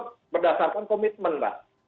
kita bentuk berdasarkan komitmen pak